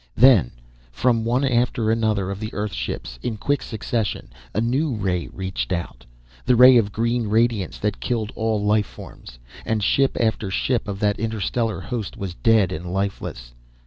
Then from one after another of the Earth ships, in quick succession, a new ray reached out the ray of green radiance that killed all life forms, and ship after ship of that interstellar host was dead and lifeless.